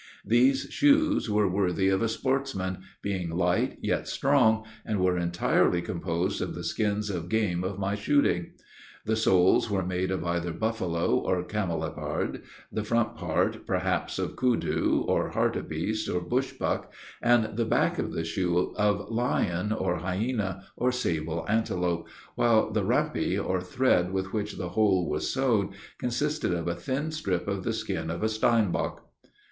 These shoes were worthy of a sportsman, being light, yet strong, and were entirely composed of the skins of game of my shooting. The soles were made of either buffalo or cameleopard; the front part, perhaps, of koodoo, or hartebeest, or bushbuck, and the back of the shoe of lion, or hyaena, or sable antelope, while the rheimpy or thread with which the whole was sewed, consisted of a thin strip of the skin of a steinbok.